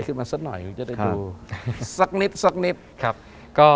ของนั้น๖๓มั้ย